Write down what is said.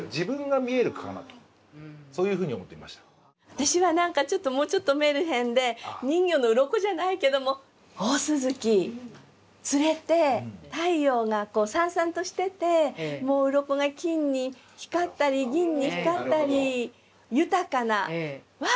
私は何かもうちょっとメルヘンで人魚の鱗じゃないけども大鱸釣れて太陽がさんさんとしててもう鱗が金に光ったり銀に光ったり豊かなわ！